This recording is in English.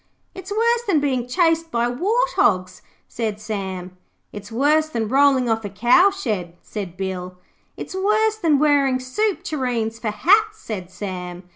'It's worse than being chased by wart hogs,' said Sam. 'It's worse than rolling off a cowshed,' said Bill. 'It's worse than wearing soup tureens for hats,' said Sam.